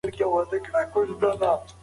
انټرنیټ د علم د پراختیا لپاره غوره لاره ده.